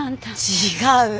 違う。